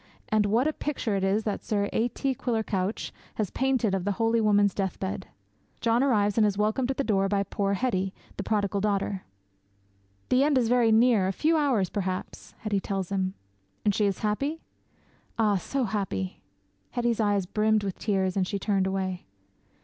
And what a picture it is that Sir A. T. Quiller Couch has painted of the holy woman's deathbed! John arrives and is welcomed at the door by poor Hetty, the prodigal daughter. '"The end is very near a few hours perhaps!" Hetty tells him. '"And she is happy?" '"Ah, so happy!" Hetty's eyes brimmed with tears and she turned away.